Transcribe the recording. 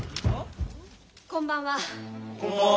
こんばんは。